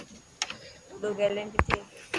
وڏو گيلين ڪٿي.